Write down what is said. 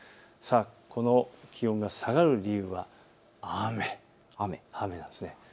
この気温が下がる理由は雨、雨なんです。